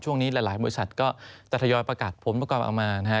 ช่วงนี้หลายบริษัทก็จะทยอยประกาศผลประกอบเอามานะฮะ